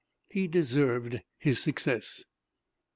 He deserved his success.